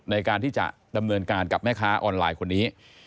ในการที่จะดำเนินการกับแม่ค้าออนไลน์คนนี้